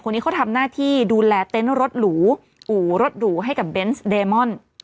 คนนี้เขาทำหน้าที่ดูแลเต็นต์รถหรูอู่รถหรูให้กับเบนส์เดมอน